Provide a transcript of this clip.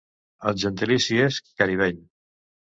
El gentilici és caribeny.